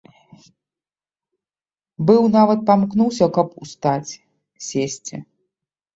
Быў нават памкнуўся, каб устаць, сесці.